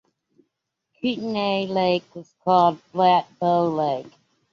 Kootenay Lake was called "Flat Bow Lake".